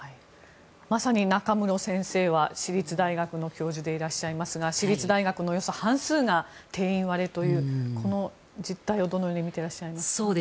まさに中室先生は私立大学の教授でいらっしゃいますが私立大学のおよそ半数が定員割れという、この実態をどのように見ていらっしゃいますか？